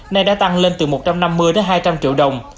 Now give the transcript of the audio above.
nay đã tăng lên từ một trăm năm mươi đến hai trăm linh triệu đồng